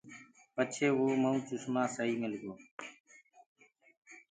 پچهي وو چشمآ مڪوُ سئي مِل گو۔